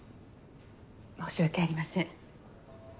申し訳ありません。